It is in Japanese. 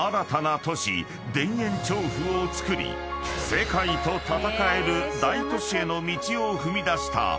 ［世界と闘える大都市への道を踏み出した東京］